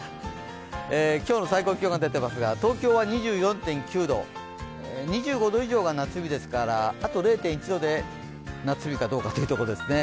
今日の最高気温が出ていますが東京は２４．９度、２５度以上が夏日ですから、あと０．１度で、夏日かどうかというところですね。